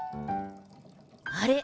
あれ？